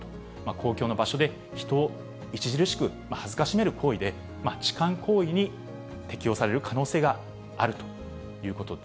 公共の場所で人を著しく辱める行為で、痴漢行為に適用される可能性があると。